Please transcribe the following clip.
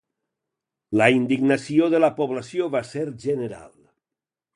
La indignació de la població va ser general.